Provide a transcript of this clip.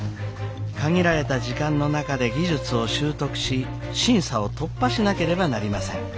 限られた時間の中で技術を習得し審査を突破しなければなりません。